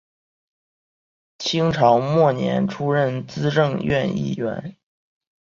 清朝末年出任资政院议员。